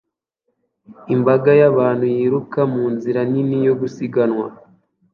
Imbaga y'abantu yiruka munzira nini yo gusiganwa